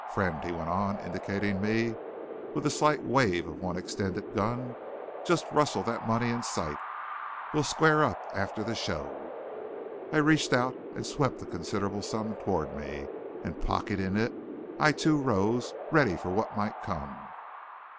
"Friend," he went on, indicating me with a slight wave of one extended gun, "jest rustle the money in sight. We'll square up after the show." I reached out and swept the considerable sum toward me, and, pocketing it, I too rose, ready for what might come.